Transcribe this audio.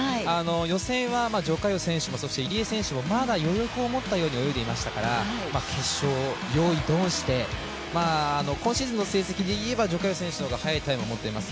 予選は徐嘉余選手も入江選手もまだ余力を持ったように泳いでましたから、決勝、用意、ドンして、今シーズンの成績でいえば徐嘉余選手の方が速いタイム持っています。